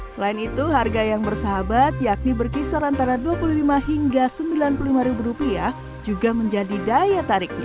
selain itu harga yang bersahabat yakni berkisar antara rp dua puluh lima hingga rp sembilan puluh lima juga menjadi daya tariknya